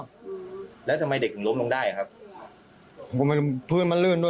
ไม่นะแต่น้องน้องนั้นไม่เห็นจริงนะ